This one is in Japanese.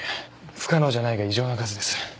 不可能じゃないが異常な数です。